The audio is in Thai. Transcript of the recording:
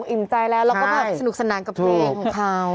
อิ่มใจแล้วแล้วก็แบบสนุกสนานกับเพลงของเขา